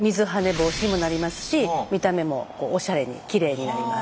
防止にもなりますし見た目もおしゃれにきれいになります。